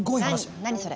何何それ？